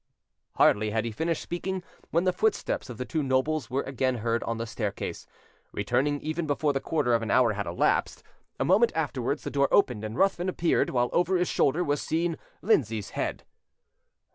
Hardly had he finished speaking when the footsteps of the two nobles were again heard on the staircase, returning even before the quarter of an hour had elapsed; a moment afterwards the door opened, and Ruthven appeared, while over his shoulder was seen Lindsay's head.